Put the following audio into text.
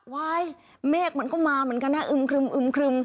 ว้ายเมฆมันก็มาเหมือนกันน่ะอึมครึม